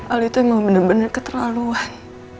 al itu emang bener bener keterlaluan